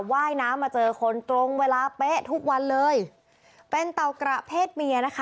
ว่ายน้ำมาเจอคนตรงเวลาเป๊ะทุกวันเลยเป็นเต่ากระเพศเมียนะคะ